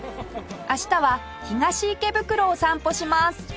明日は東池袋を散歩します